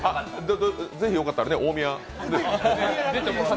ぜひよかったら、大宮。